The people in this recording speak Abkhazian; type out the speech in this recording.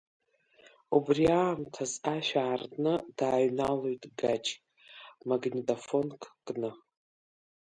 Убри аамҭаз ашә аартны дааҩналоит Гач, магнитофонк кны.